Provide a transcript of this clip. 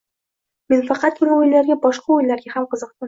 Men faqatgina oʻyinlarga boshqa oʻyinlarga ham qiziqdim